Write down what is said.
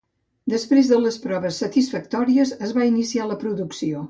Després de les proves satisfactòries, es va iniciar la producció.